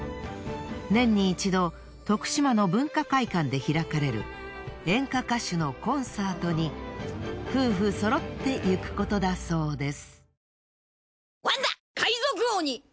年に一度徳島の文化会館で開かれる演歌歌手のコンサートに夫婦そろって行くことだそうです。